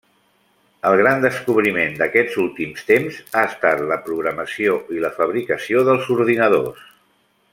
El gran descobriment d'aquests últims temps ha estat la programació i la fabricació dels ordinadors.